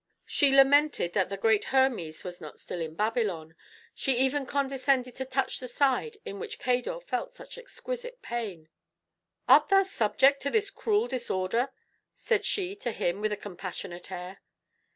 She lamented that the great Hermes was not still in Babylon. She even condescended to touch the side in which Cador felt such exquisite pain. "Art thou subject to this cruel disorder?" said she to him with a compassionate air.